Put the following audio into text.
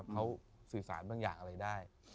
เขาสื่อสารบางอย่างอะไรได้